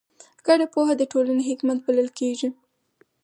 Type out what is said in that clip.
ګډه پوهه د ټولنې حکمت بلل کېږي.